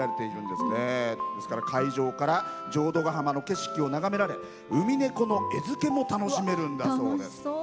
ですから、海上から浄土ヶ浜の景色を眺められうみねこの餌付けも楽しめるんだそうです。